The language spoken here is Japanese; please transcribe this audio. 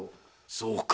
そうか。